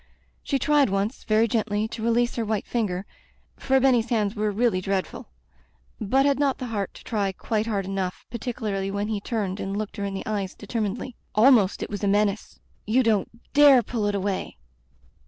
She tried once, very gently, to release her white finger — ^for Benny's hands were really dreadful — ^but had not the heart to try quite^ hard enough, particularly when he turned and looked her in the eyes determinedly. Almpst it was a menace. "You don't dare pull it away!"